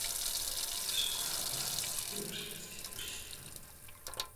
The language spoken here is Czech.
Je v soukromém vlastnictví a veřejnosti nepřístupný.